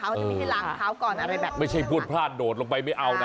เขาจะไม่ให้ล้างเท้าก่อนอะไรแบบนี้ไม่ใช่พวดพลาดโดดลงไปไม่เอานะ